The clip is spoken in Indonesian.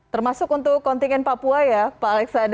termasuk untuk kontingen papua ya pak alexande